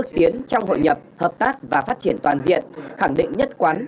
chính trong hội nhập hợp tác và phát triển toàn diện khẳng định nhất quán